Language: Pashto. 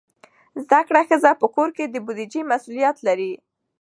زده کړه ښځه په کور کې د بودیجې مسئولیت لري.